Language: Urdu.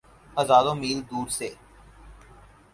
ہزاروں میل دور سے۔